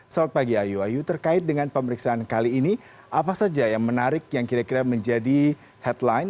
selamat pagi ayu ayu terkait dengan pemeriksaan kali ini apa saja yang menarik yang kira kira menjadi headline